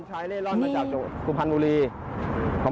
ใช่ครับ